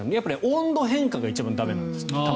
温度変化が一番駄目なんですって。